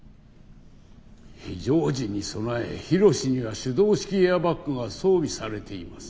非常時に備え緋炉詩には手動式エアバッグが装備されています。